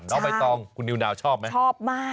ชอบชอบมากน้อใบตองคุณนิวนาวชอบไหม